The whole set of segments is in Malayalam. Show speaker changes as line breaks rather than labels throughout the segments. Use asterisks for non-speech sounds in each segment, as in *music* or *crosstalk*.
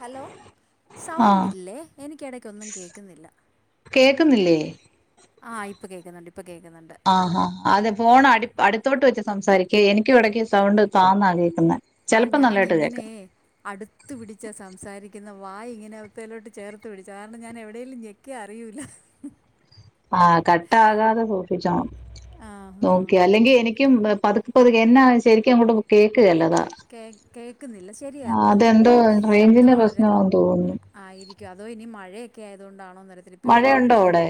ഹലോ
ആഹ്
സൗണ്ടില്ലേ എനിക്കിടക്കൊന്നും കേക്കുന്നില്ല
കേക്കുന്നില്ലേ
ആ ഇപ്പൊ കേക്ക്ന്നുണ്ട്
ആ ഹാ അത് ഫോണ് അടി അടുത്തോട്ട് വെച്ച് സംസാരിക്ക എനിക്കും ഇടക്ക് സൗണ്ട് താന്നാ കേക്ന്ന
ആ ഞാന് ഇങ്ങനെ അടുത്ത് പിടിച്ചാ സംസാരി ക്കുന്ന വായ് ഇങ്ങനെ അത്തേലോട്ട് ചേർത്ത് പിടിച്ചു കാരണം ഞാൻ എവിടെേലും ഞെക്കിയാ അറിയൂല്ല
ആഹ് കട്ടാകാതെ സൂക്ഷിച്ചോണം
ആ ആ
നോക്കി അല്ലെങ്കിൽ എനിക്കും പതുക്ക പതുക്ക എന്നാ ശരിക്കും അങ്ങോട്ട് കേൾക്കുകേല്ല
കേ കേക്ക്ന്നില്ല ശരിയാത്
അതെന്തോ
ശബ്ദം
റേഞ്ചിന്റെ
വളരെ
പ്രശ്നമാന്ന് തോന്നുന്നു
ആയിരിക്ക് അതോ ഇനി മഴെ ക്കെയായതോണ്ട *unintelligible* ഇവിടെ നല്ല
മഴയുണ്ടോ
ഇര്
അവിടെ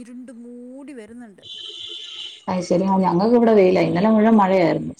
ഇര് ണ്ട് മൂടി വെരുന്ന്ണ്ട്
അത് ശരി ആ ഞങ്ങൾന്ന് ഇവിടെ വെയില ഇന്നലെ മുഴുവൻ മഴയായിരുന്നു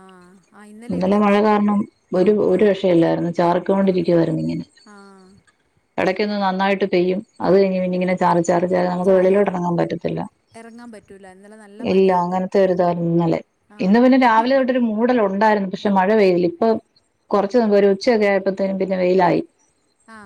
ആ ആ
ഇന്നലെ
ഇവിടെ
മഴ കാരണം ഒരു ഒരു രക്ഷേയില്ലായിരുന്നു ചാറികൊണ്ടിരിക്കുവാരുന്നു ഇങ്ങനെ
ആ
എടക്കൊന്ന് നന്നായിട്ട് പെയ്യും അത് കഴിഞ്ഞ് പിന്നിങ്ങനെ ചാറി ചാറി ചാറി നമുക്ക് വെളിയിലോട്ടേറങ്ങാൻ പറ്റത്തില്ല
ഇറങ്ങാൻ പറ്റൂല ഇന്നലെ നല്ല
ഇല്ല
മഴയായിരുന്നു
അങ്ങനത്തെ ഒരു ഇതായിരുന്നു ഇന്നലെ
ആ
ഇന്ന് പിന്നെ രാവിലെ തൊട്ട് ഒരു മൂടലു ഉണ്ടായിരുന്നു പക്ഷെ മഴ പെയ്തില്ല ഇപ്പൊ കുറച്ച് മുമ്പ് ഒരു ഉച്ചയൊക്കെ ആയപ്പോത്തേനും പിന്നെ വെയിലായി
ആ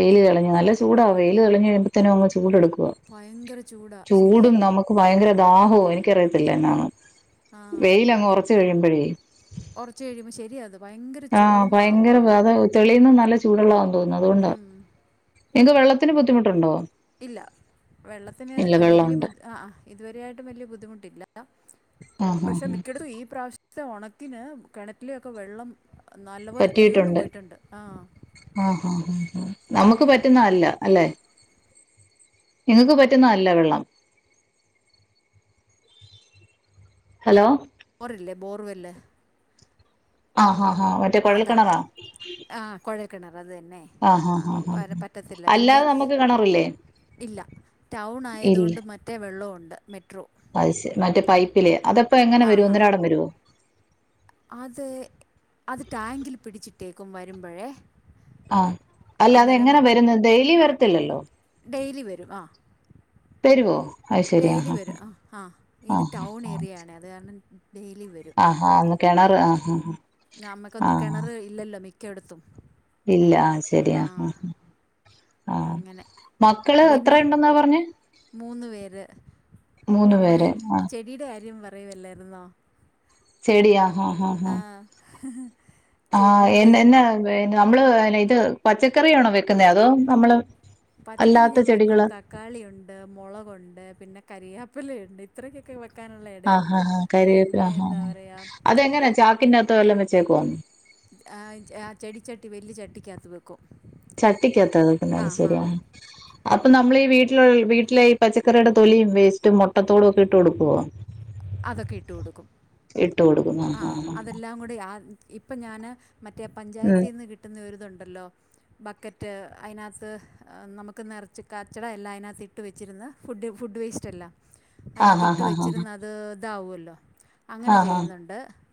വെയില് തെളിഞ്ഞ് നല്ല ചൂടാ വെയില് തെളിഞ്ഞ് കഴിയുമ്പത്തിന് അങ്ങ് ചൂട് എടുക്കും ഒ
ഭയങ്കര ചൂടാ ശരിയാ
ചൂടും നമുക്ക് ഭയങ്കര ആഹോ എനിക്കറിയത്തില്ല എന്നാണ് വെയിലങ്ങ് ഒറച് ച്ച് കഴിയുമ്പയെ
ഒറച്ച് കഴിയുമ്പ ശരി അത് ഭയങ്കര
ആഹ്
ചൂടും
ഭയങ്കര
ദാഹോആണ്
അത് തെളിയുന്ന നല്ല ചൂടല്ല തോന്ന് പോവുന്നതോണ്ട നിങ്ങക്ക് വെള്ളത്തിന് ബുദ്ധിമുട്ടുണ്ടോ
ഇല്ല വെള്ളത്തിന്
ഇല്ല
വല്ല്യ ബു
വെള്ളമുണ്ട്
അ ആ ഇതു വരെയായിട്ടും വലിയ ബുദ്ധിമുട്ടില്ലല്ലൊ
ആഹ്
പക്ഷെ
ആഹ്
മിക്കേടത്തും ഈ പ്രാവശ്യം ത്തെ ഒണക്കിന് കെണറ്റിലെ ഒക്കെ വെള്ളം നല്ലപോലെ തീർന്നു
പറ്റിയിട്ടുണ്ട്
പോയിട്ടുണ്ട് ആ
ആ ആ ആ നമുക്ക് പറ്റുന്ന അല്ല അല്ലെ നിങ്ങക്ക് പറ്റുന്ന അല്ല വെള്ളം ഹലോ
ബോറല്ലേ ബോർവെല്ല്
അ ആ ഹാ മറ്റേ കുഴൽ
അതാ
കിണറാ
ആ കുഴൽക്കിണർ അത് തന്നെ
ആഹ്
ആ
ആഹ് ആഹ്
പ
ആഹ്
പറ്റത്തില്ല പിന്നെ
അല്ലാതെ നമുക്ക് കിണറില്ലേ
ഇല്ല ടൗൺ ആയത്
ഇല്ല
കൊണ്ട് മറ്റേ വെള്ളോം ഒ *unintelligible*
അത് ശരി മറ്റെ പൈപ്പില് അതപ്പോ എങ്ങനെ
ആ
വരും
ഹാ
ഒന്നരാടം വരുവോ
അത് അത് ടാങ്കില് പിടിച്ചിട്ടേക്കും വരുമ്പൊഴേ
ആ അല്ല അതെങ്ങനാ വരുന്നെ ഡെയിലി വര ത്തില്ലല്ലോ
ഡെയിലി വരും ആ
വരുവോ അത് ശരി
ഡെയിലി
ആഹ്
വരും ആ ആ ഇത്
ആഹ്
ടൗൺ
ആഹ്
ഏരിയാണെ അത് കാരണം ഡെയിലി വരും
കെണറ് ആ ആ
നമ്മക്കൊന്നും കിണറ് ഇല്ലല്ലോ മിക് കെടുത്തും
ഇല്ല ആ ശരി ആ ആ ആ
അങ്ങനെ
മക്കള് എത്ര ഒണ്ടെന്നാ പറഞ്ഞെ
ര്
മൂന്ന്
നമ്മളെ
പേര് ആഹ്
ചെടിയുടെ കാര്യം വ റയുവല്ലാരുന്നോ
ചെടിയാ ആ ആ ആ ആ *unintelligible*
ചെടിയുടെ
എന്ന നമ്മള് എന്നാ ഇത് പച്ചക്കറിയാണോ വെക്കുന്നെ അതോ നമ്മള്
പച്ചക്കറി ഞാൻ
അല്ലാത്ത
വെക്കും
ചെടികള്
തക്കാളിയുണ്ട് മൊളകൊണ്ട് പിന്നെ കരിയാപ പ്പിലയുണ്ട് ഇത്രക്കൊക്കെ വെക്
ആ ആ ആ കരിവേപ്പില ആ ആആ അതെങ്ങനാ ചാക്കിന്റാത്തോ വെല്ലോം വെ ച്ച കോം *unintelligible*
ആ ആ ചെടിച്ചട്ടി വലിയ ചട്ടിക്കാത്ത് വക്
ചട്ടിക്കാത്താവെക്കുന്നെ
ഹാ
അതുശരി ആ അപ്പൊ നമ്മളീ വീട വീട്ടലൊ വീട്ടിലെ ഈ പച്ചക്കറിയുടെ തൊലിയും വേയ്സ്റ്റും മൊട്ടത്തോടുവൊക്കെ ഒ ഇട്ട് കൊടുക്കുവോ
അതൊക്കെയിട്ടു കൊടുക്കും
ഇട്ട് കൊടുക്കും
ആ
ആഹ് ആഹ്
അതെല്ലാങ്കൂടെയാ ഇപ്പൊ ഞാനെ മറ്റേയാ
ഉം
പഞ്ചായത്തീന്ന് കിട്ടുന്നയൊരിതൊ ഉണ്ടല്ലോ ബക്കറ്റ് അയിനാത്ത് ആ നമുക്ക് നെറച്ച് കച്ചടയെല്ലാം അയിനാത്തിട്ട് വെച്ചിരുന്ന് ഫുഡ് ഫുഡ് വേയിസ്റ്റ് എല്ലാം
ആഹ്
അയിനാത്തിട്ട്
ആഹ് ആഹ് ആഹ്
വെച്ചിരുന്നത് ദാവുവല്ലോ അങ്ങനെ
ആഹ് ആഹ്
ചെയ്യുന്നൊണ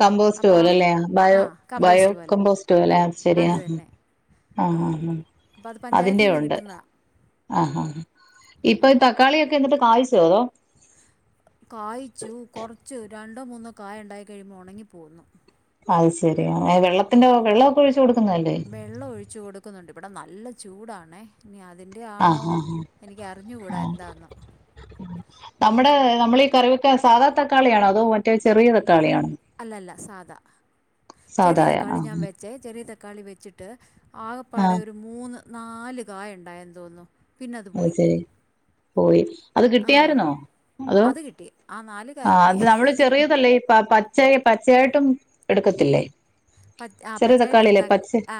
കമ്പോസ്റ്റ് പോലെ അല്ലെയോ ബയോ ബയോ
കമ്പോസ്റ്റ് പോലെ
കമ്പോസ്റ്റ് പോലെ ശരിയ
അത് തന്നെ
ആഹ ആഹ
അപ്പോൾ അത്
ആ
പഞ്ചായത്തിൽ
അതിന്റെ
നിന്ന്
ഉണ്ട്
കിട്ടുന്നതാണ്
ആഹഹ ഇപ്പൊ തക്കാളിയൊക്കെ എന്നിട്ട് കായ്ച്ചോഅതോ
കായ്ച്ചു കുറച്ച് ര രണ്ടോ മൂന്നോ കായ് ഉണ്ടായി കഴിയുമ്പോൾ ഉണങ്ങിപ്പോകുന്നു
അത് ശെരിയാ വെള്ളത്തിന്റെ വെള്ളം ഒക്കെ ഒഴി
വെള്ളം ഒഴിച്ചു കൊടുക്കുന്നുണ്ട് ഇവിടെ നല്ല നല്ല ചൂടണ് ഇനി അ അതിന്റെ ആണോ
ആഹ് ആഹ്
എനിക്ക് അറിഞ്ഞുകൂടാ എന്താന്ന്
നമ്മുടെ നമ്മൾ ഈ കറിവയ്ക്കാ സാധാ തക്കാളിയാണോ അതോ മറ്റെ ചെറിയ തക്കാളിയാണോ
അല്ല അല്ല സാധാ ചെറിയ
സാധായ
തക്കാളി ഞാൻ
ആഹ്
വെച്ചേ ചെറിയ ത തക്കാളി വെച്ചിട്ട് ആകപ്പാടെ
ആഹ്
ഒരു മൂന്ന് നാല് കായ ഉണ്ടായെന്ന് തോന്നുന്നു പിന്നെ
അത്
അതുപോയി
ശരി പോയി അത് കിട്ടിയാരുന്നോ അതോ
അത് കിട്ടി ആ നാല് കായ
ആ
കിട്ടി
അത് നമ്മള് ചെറിയതല്ലേ ഈ പ ചെറിയ പച്ചയായിട്ടും എടുക്കത്തില്ലേ
പച്ച ആ
ചെറിയ
പച്ചയായിട്ടെടുത്ത
തക്കാളില്ലേ പച്ച
ആ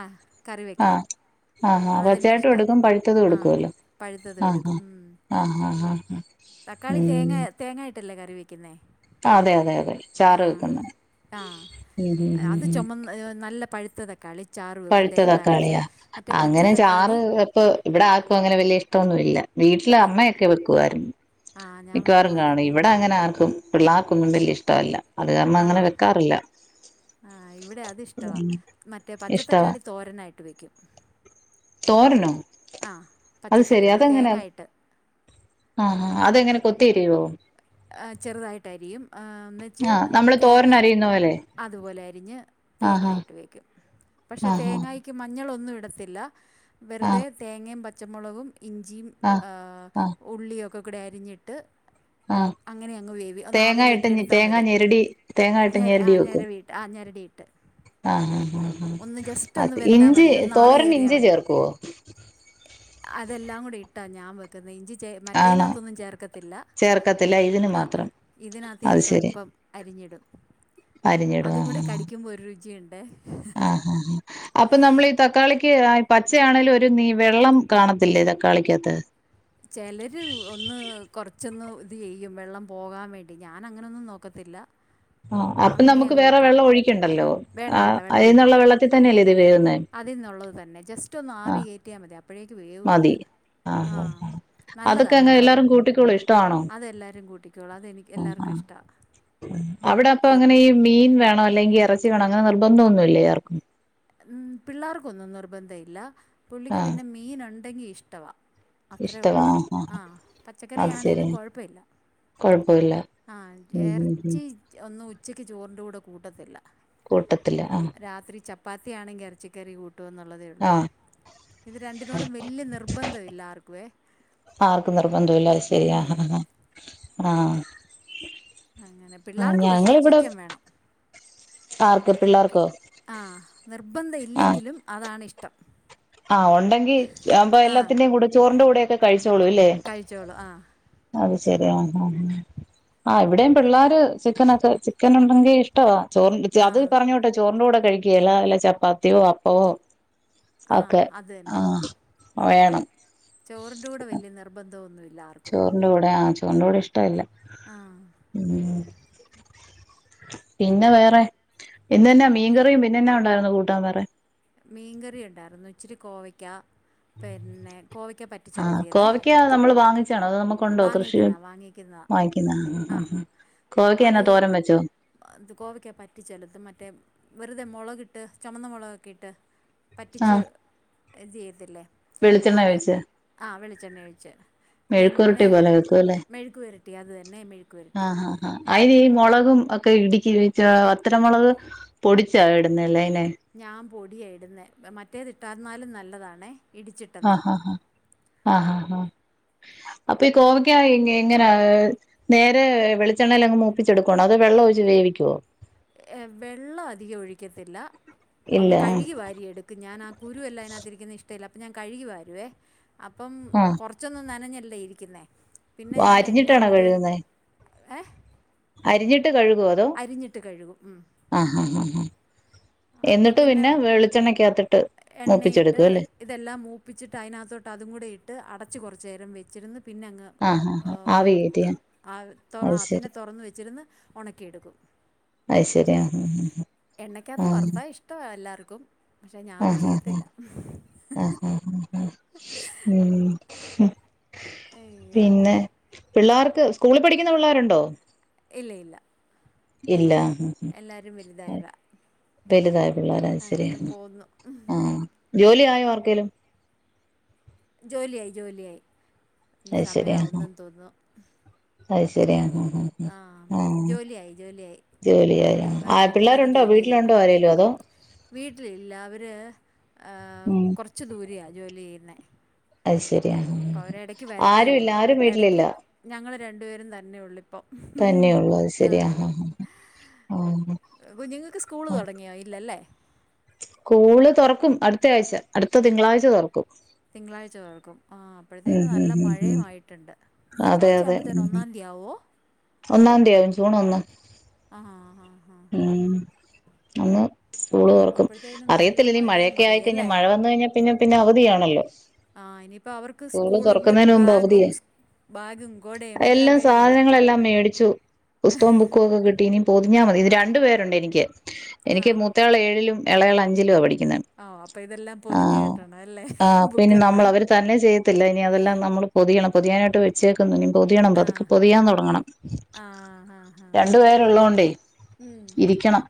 കറി വെക്കാൻ
ആഹ ആ ആ പച്ചയായിട്ടും എടുക്കും പഴുത്തതും എടുക്കുവല്ലോ
പഴുത്തത് എടുക്കും മ്
ആഹ ആ
തക്കാളി തേങ്ങ തേങ്ങായിട്ടല്ലേ കറിവെയ് *unintelligible*
അതെ അതെ അതെ ചാറ് വെക്കുന്ന
ആ
മ്
പുളിച്ച തക്കാളി ചാറ് വെക്കും തേങ്ങ അരച്ച്
പഴുത്തതക്കാളിയാ
മറ്റേ പച്ച
അങ്ങനെ
തക്കാളി
ചാറ് ഇപ്പ ഇവിടെ ആക്കും അങ്ങനെ വലിയ ഇഷ്ടമൊന്നുമില്ല വീട്ടില്
ഇൽ
അമ്മയൊക്കെ വെക്കുമായിരുന്നു
ആ ഞാൻ
മിക്കവാറും
വെക്കും അത്
കാണും ഇവിടെ അങ്ങനെ ആർക്കും മ് പിള്ളാർക്കൊന്നും വേല്യ ഇഷ്ടമല്ല അത് കാരണം
ആണോ
അങ്ങനെ വെക്കാറില്ല
ആ ഇവിടെ അതിഷ്ടവാ മറ്റേ പച്ചത്തക്ക
ഇഷ്ടവാ
തക്കാളി തോരനായിട്ട് വയ്ക്കും
തോരനോ
പച്ച
അത് ശെരി
തക്കാളി
അതെങ്ങനെ
തേങ്ങ ഇട്ട്
ആഹ് ആ അതെങ്ങനെ കൊത്തിരിവോ
ചെറുതായിട്ട് അരിയും എന്നുവെച്ച്
ആഹ് നമ്മള്
തേങ്ങ
തോരനരിയുന്ന പോലെ
അരിഞ്ഞ്
ആഹ്
തേങ്ങായിട്ട് വെക്കും പക്ഷെ
ആഹ്
തേങ്ങായ്ക്ക് മഞ്ഞളൊന്നും ഇട ഇടത്തില്ല വെറ്തെ
ആഹ്
തേങ്ങേപ പച്ചമുളകും ഇഞ്ചിമ്
ആഹ് ആഹ്
എ
ആഹ്
ഉള്ളി ഓ ക്ക കൂടെ അരിഞ്ഞിട്ട്
ആ
അങ്ങനെ അങ്ങ് വേവി ഒന്ന്
തേങ്ങ
ആവി
ഇട്ട്
കയറ്റി എടുത്താൽ
തേങ്ങാ
മതി
ഞെരടി തേങ്ങ ഇട്ട്
ഞര ആ
ഞെരടി വെക്കും
ഞരവിയിട്ട് ആ ഞെരടിയിട്ട്
ആ
ഒന്ന് ജസ്റ്റ്
അ അ
ഒന്ന് വെന്താൽ
ഇഞ്ചി
മതി ഒന്ന് ആവി
തോരൻ
കയറിയാൽ
ഇഞ്ചി
മതി
ചേർക്കുവോ
അതെല്ലാം കൂടി ഇട്ടാ ഞാൻ വെക്കുന്നത് ഇഞ്ചി ച
ആണോ
മറ്റേനകത്തൊന്നും ചേർക്കത്തില്ല
ചേർക്കത്തില്ല ഇതിന്
ആ ആ
മാത്രം
ഇതിനകത്ത് ഞാൻ
അത് ശരി
സ്വല്പം അറിഞ്ഞിടും
അരിഞ്ഞിടും
അതും കൂടെ കടിക്കുമ്പോരൂ രുചിയുണ്ട്
ആഹ് ആഹ് ആഹ് അപ്പൊ നമ്മളീ തക്കാളിക്ക് പച്ചയാണേലും ഒരു നീ വെള്ളം കാണത്തില്ലേ തക്കാളിക്കകത്ത്
അത് ചെയ്യും വെള്ളം പോകാൻ വേണ്ടി ഞാനങ്ങനൊന്നും നോക്കത്തില്ല
ആ അപ്പൊ
അങ്ങനെ
നമുക്ക്
അങ്ങ്
വേറെ
വെക്കും
വെള്ളം ഒഴിക്കുണ്ടല്ലോ ആ അയിന്നുള്ള വെള്ളത്തിൽ തന്നെല്ലേ
അതീന്നുള്ളത് തന്നെ ജസ്റ്റ് ഒന്ന് ആവി
ആഹ്
കേറ്റിയാൽ മതി അപ്പോഴേക്ക് വേവും
മതി
അത്
ആ ആ ആ അതൊക്കെ
നല്ലതാണ്
അങ്ങ്
കേട്ടോ
എല്ലാരും കൂട്ടിക്കോളും ഇഷ്ടാണോ
അതെല്ലാവരും കൂട്ടിക്കോളും അതെനിക്ക് എല്ലാവർക്കും ഇഷ്ടമാണ്
അവിടെ അപ്പ അങ്ങനെ ഈ മീൻ വേണോ അല്ലെങ്കിൽ ഇറച്ചി വേണോന്ന് അങ്ങനെ നിർബന്തോന്നൂല്ലേ ആർക്കും
ഹും പിള്ളേർക്കൊന്നും നിർബധം ഇല്ല പുള്ളിക്ക്
ആഹ്
പിന്നെ മീൻ ഓൺ ണ്ടങ്ങി ഇഷ്‌ട്ടവാ അത്രേ
ഇഷ്ടവാ
ഉള്ളൂ
ആഹ് ആഹ്
ആ പച്ചക്കറി
അത് ശരി
ആണേലും കുഴപ്പമില്ല
കൊഴപ്പമില്ല
ആ
ഉം ഉം ഉം
ഇറച്ചി ഒന്ന് ഉച്ചക്ക് ചോറിൻ്റെ കൂടെ കൂട്ട കുട്ടത്തില്ല
കൂട്ടത്തി ആഹ്
പ്പാത്തി ആണങ്കി ഇറച്ചിക്കറി കൂ ട്ടൂന്നുള്ളതേ ഉള്ളൂ
ആഹ്
ഇത് രണ്ടിനോടും വലിയ നിർബന്ധം ഇല്ല ആർക്കുവേ
ആർക്കും
ഹും
ആഹ്
അങ്ങനെ പിള്ളേർക്ക് പക്ഷെ ചിക്കൻ വേണം
ആർക്ക് പിള്ളേർക്കോ
ആ നിർബന്ധം
ആ
ഇല്ലെങ്കിലും അതാണ് ഇഷ് *unintelligible*
ആ ഒണ്ടെങ്കി *unintelligible* എല്ലാത്തിന്റെ കൂടെ ചോറിന്റെ കൂടെ കഴി
കഴിച്ചോളൂ ആ
അത് ശരി ആ ആ ഇവിടെയും പിള്ളേര് ചിക്കനൊക്കെ ചിക്കൻ ഉണ്ടെങ്കി ഇഷ്ടവാ ചോറും വെച്ച് അത്
ആഹ്
പറഞ്ഞോട്ടെ ചോറിൻ്റെ കൂടെ കഴിക്കുകേല വല്ല ചപ്പാത്തിയോ അപ്പമോ
ആഹ്
ഒക്കെ
അത് തന്നെ.
ആഹ് വേണം
ചോറിൻ്റെ കൂടെ വലിയ നിർബന്ധം ഒന്നുമില്ല
ചോറിന്റെ കൂടെ ആ തൊണ്ടോടെ ഇഷ്ട്ടല്ല
ആഹ്
ഉം പിന്നെ വേറെ പിന്നെന്നാ
പിന്നെ
മീൻകറിയും പിന്നെന്നാ ഉണ്ടായിരുന്നു കൂട്ടാൻ വേറെ
മീൻകറി ഉണ്ടായിരുന്നു ഇച്ചിരി കോവക്ക പിന്നെ കോവയ്ക്ക
ആഹ കോവയ്ക്ക നമ്മൾ വാങ്ങിച്ചതാണോ അതോ നമുക്ക്
വാങ്ങിക്കുന്നതാ വാങ്ങിക്കുന്നതാ
ആഹ്
ആ
ആഹ് ആഹ് കോവയ്ക്ക എന്നാ
അത്
തോരൻ വെച്ചോ
കോവയ്ക്ക പറ്റിച്ചെടുത്ത് മറ്റേ വെറുതെ മുളകിട്ട് ചുമന്ന മുളകൊക്കെ ഇട്ട് പറ്റിച്ച്
ആഹ്
ഇത് ചെയ്യത്തില്ലേ
വെളിച്ചെണ്ണ ഒഴിച്ച്
വെളിച്ചെണ്ണയൊഴിച്ച്
മെഴുക്കുവരട്ടി പോലെ വെക്കും അല്ലേ
പുരട്ടി അത് തന്നെ മെഴുക്ക് പുരട്ടി
ആഹ് ഹഹ അതിന് ഈ മുളകും ഒക്കെ ഇടി ച്ചാ വറ്റലുമുളക് പൊടിച്ച ഇടുന്നതല്ലേ
ഞാൻ പൊടിയായിടുന്നെ മറ്റേതിട്ടാരുന്നാലും നല്ല നല്ലതാണേ ഇടിച്ചിട്ടെന്ന
ആ ആ ആ അപ്പൊ ഈ കോവയ്ക്ക എങ്ങനെ നേരെ വെളിച്ചെണ്ണേൽ അങ്ങ് മൂപ്പിച്ചെടുക്കുവാണോ അതോ വെള്ളം ഒഴിച്ച് വേവിയ്ക്കുവോ
ഏ വെള്ളം അധികം ഒഴിക്കത്തില്ല.
ഇല്ല
ഒന്ന് കഴുകി വാരിയെടുക്കും ഞാൻ ആ കുരുവെല്ലാം അതിനകത്തിരിക്കുന്ന ല്ല അപ്പൊ ഞാൻ കഴുകി വാരുവേ അപ്പം
ആഹ്
കൊറച്ചൊന്നും നന അല്ലേ ഇരിക്കുന്നേ?
അരിഞ്ഞിട്ടാണോ കഴുകുന്നേ?
ഏ?
അരിഞ്ഞി തണ്ട് കഴുകുവോ അതോ?
അരിഞ്ഞിട്ട് കഴുകും ഉം.
എന്നിട്ട് പിന്നെ വെളിച്ചെണ്ണക്കകത്തി
എണ്ണയിട്ട് ഇതെല്ലാം മൂപ്പിച്ചിട്ട് അതിനകത്തോട്ട് അതും കൂടി ഇട്ട് അടച്ച് കുറച്ചു നേരം വെച്ചിരുന്ന് പിന്നെ അങ്ങ്
ആഹ് ആഹ് ആഹ് ആവി കേറ്റിയ
ങ്ഹ് തൊ
അത്
ആഹ് പിന്നെ
ശരി
തൊറന്ന് വെച്ചിരുന്ന് ഒണക്കി എടുക്കും.
അത് ശരി ങാ ങാ ങാ
എണ്ണയ്ക്കകത്ത് വറുത്താ ഇഷ്ടവാ എല്ലാർ
ആഹ് ഹ ഹ ആഹ് ഹ ഹ ഹ ഉം. ഹും.
അയ്യോ
പിന്നെ പിള്ളാര്ക്ക് സ്കൂളിൽ പഠിക്കുന്ന പിള്ളേരുണ്ടോ?
ഇല്ല ഇല്ല.
ഇല്ല.
എല്ലാവരും വലുതായതാ
വലുതായ പിള്ളേര അത് ശരി
അങ്ങനെ പോന്നു
ആഹ് ജോലിയായോ? ലും.
ജോലിയായി ജോലിയായി.
അത് ശരി
സമയം
ആഹ്
ആവുമെന്ന് തോന്നുന്നു.
അത് ശരി ങാ ങാ
ആഹ് ജോലിയായി ജോലിയായി
ജോലിയായി
രണ്ട്
ആഹ്
രണ്ടുപേര്
പിള്ളേരുണ്ടോ
ജോലി ചെയ്യുന്നു,
വീട്ടിലുണ്ടോ ആരേലും അതോ
വീട്ടിലില്ല അവര്
ഉം
കുറച്ച് ദൂരെയാ. ജോലി ചെയ്യുന്നേ.
അത് ശരി. ആഹ്
അപ്പ അവര് ഇടയ്ക്ക് വരത്തേ
ആരും ഇല്ല
ഉള്ളൂ
ആരും
എട
വീട്ടിലില്ല
ഞങ്ങള് രണ്ടുപേരും തന്നെ ഒള്ളൂ ഇപ്പേ
തന്നെയള്ളൂ അത് ശരിയാ ആഹ് ആഹ്.
കുഞ്ഞുങ്ങൾക്ക് സ്കൂൾ തുടങ്ങിയോ ഇല്ലല്ലേ
സ്കൂള് തുറക്കും അടുത്ത ആഴ്ച അടുത്ത തിങ്കളാഴ്ച തുറക്കും
തിങ്കളാഴ്ച തോർക്കും ആ
ഉം
അപ്പോഴത്തേും
ഉം
നല്ല
ഉം
മഴയും
ഉം
ആയിട്ട്ണ്ട്
അതെ
തിങ്കളാഴ്ച
അതെ
ആവുമ്പോത്തേന്
ഉം
ഒന്നാം തീയതിയാ ആവോ
ഒന്നാം തീയതിയവും ജൂൺ ഒന്ന
ആഹാ ആ ഹാ
അന്നു സ്കൂള് തുറക്കും
നല്ല
അറിയത്തില്ല നീ മഴയൊക്കെ
മഴയുമായി
ആയിക്കഴിഞ്ഞൽ
അല്ലേ
മഴ വന്ന കഴിഞ്ഞാൽ പിന്നെ പിന്നെ അവധിയാണല്ലോ
ആഹ് ഇനിയിപ്പോ അവർക്ക്
സ്കൂള്
സ്കൂളിന്റെ
തുറക്കുന്നതിന് മുമ്പ് അവധിയ
ബാഗും ബാഗും കൊടയും
എല്ലാം
മേടിക്കണ്ടേ
സാധനങ്ങളെല്ലാം മേടിച്ചു പുസ്തകം ബുക്കും ഒക്കെ കിട്ടീ ഇനി പൊതിഞ്ഞാ മതി ഇത് രണ്ടു പേരുണ്ട് എനിക്ക് എനിക്ക് മൂത്തയാൾ ഏഴിലും ഇളയ ആൾ അഞ്ചലം പഠികു
ആ അപ്പൊ ഇതെല്ലാം പൊതിഞ്ഞു കേട്ടണം അല്ലേ ബുക്കെല്ലാം
ത്തില്ല ഇനി അതെല്ലാം നമ്മൾ പൊതിയണം പൊതിനായിട്ട് വച്ചേക്കുന്നു ഇനി തിയണം പതുക്കെ
ആഹ്
പൊതിയാൻ തുടങ്ങണം
ആഹ് ആഹ് ആഹ്
രണ്ടു പേരള്ളോണ്ടേ
ഉം
ഇരിക്കണം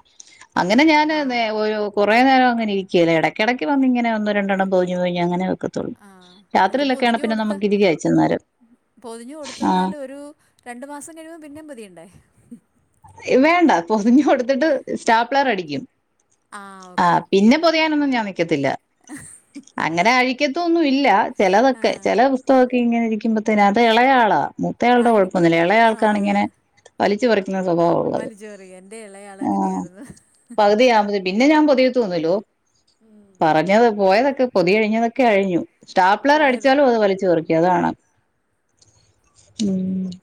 അങ്ങനെ ഞാന് വേ
ആഹ്
ഒരു കുറെ നേരം അങ്ങനെ ഇരിക്കേലെ ഇടക്കടക്ക് വന്നിങ്ങനെ ഒന്ന് രണ്ടെണ്ണം പൊതിഞ്ഞേ പൊതിഞ്ഞേ അങ്ങനെ വേ
ആഹ് എത് പൊതിഞ്ഞു കൊടുത്ത
ഇരിക്കാം ഇച്ചിരിനേരം
പൊതിഞ്ഞ്
ആ
കൊടുത്തന്നാൽ ഒരു രണ്ടു മാസം ഴുമ്പോ പിന്നേം പൊതിയണ്ടേ?
വേണ്ട പൊതിഞ്ഞു കൊടുത്തിട്ട് സ്റ്റാപ്ലെർ അടിക്കും.
ഓക്കെ
ആഹ്
ഓക്കെ
പിന്നെ പൊതിയാനൊന്നും ഞാൻ നി ക്കത്തില്ല അങ്ങനെ അഴി ക്കതൊന്നും ഇല്ല. ചിലതൊക്കെ
ആഹ്
ചില പുസ്തക ഇങ്ങനെ ഇരിക്കുമ്പോ തന്നെ അത് ഇളയാളാ. മൂത്തയാളുടെ
അഴി
കുഴപ്പൊന്നില്ല ഇളയാൾക്കാണ്
ആഹ്
ഇങ്ങനെ വലിച്ച് പറി ക്കുന്ന സ്വഭാവ ഉള്ളത്
വലിച്ചെറിയും എൻ്റെ ഇളയാള്
ആ
അങ്ങനെയായിരുന്നു
പകുതി അവു പിന്നെ ഞാൻ പതിയ തോന്നല്ലോ. പറഞ്ഞത് പോയതൊക്കെ പൊതിയഴിഞ്ഞതൊക്കെ അഴിഞ്ഞു സ്റ്റാപ്ലർ
പോയത്
അടിച്ചാലും അത് വലിച്ച് പറി *unintelligible* മ്